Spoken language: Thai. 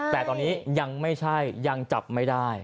แต่ตอนนี้ยังไม่ใช่ยังจับไม่ได้